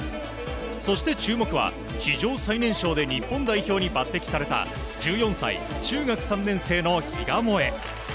そして注目は史上最年少で日本代表に抜擢された１４歳、中学３年生の比嘉もえ。